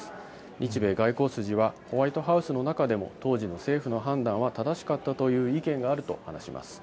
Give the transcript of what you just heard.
日米外交筋は、ホワイトハウスの中でも、当時の政府の判断は正しかったという意見があると話します。